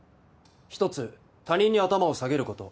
一つ他人に頭を下げること。